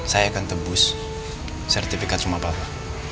saya akan tebus sertifikat rumah papa